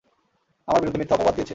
আমার বিরুদ্ধে মিথ্যা অপবাদ দিয়েছে।